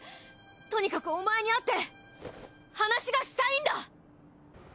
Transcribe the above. とにかくお前に会って話がしたいんだ！